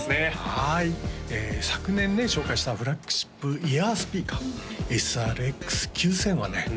はい昨年ね紹介したフラグシップイヤースピーカーＳＲ−Ｘ９０００はね